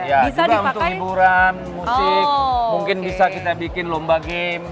ya juga untuk hiburan musik mungkin bisa kita bikin lomba game